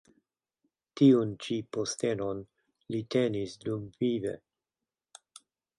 Tiun ĉi postenon li tenis dumvive.